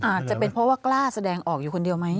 อาจจะเป็นเพราะว่ากล้าแสดงออกอยู่คนเดียวไหม